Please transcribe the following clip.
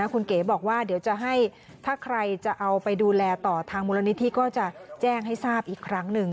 คุณเก๋บอกว่าเดี๋ยวจะให้ถ้าใครจะเอาไปดูแลต่อทางมูลนิธิก็จะแจ้งให้ทราบอีกครั้งหนึ่ง